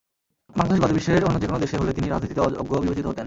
বাংলাদেশ বাদে বিশ্বের অন্য যেকোনো দেশে হলে তিনি রাজনীতিতে অযোগ্য বিবেচিত হতেন।